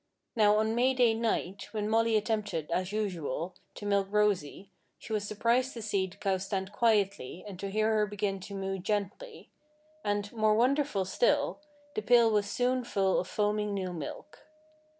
Now, on May Day night, when Molly attempted, as usual, to milk Rosy, she was surprised to see the cow stand quietly and to hear her begin to moo gently; and, more wonderful still, the pail was soon full of foaming new milk.